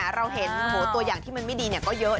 เราเห็นตัวอย่างที่มันไม่ดีก็เยอะ